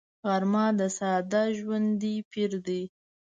غرمه د ساده ژوندي پېر دی